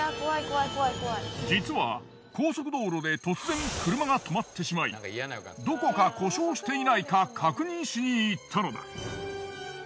実は高速道路で突然車が止まってしまいどこか故障していないか確認しに行ったのだ。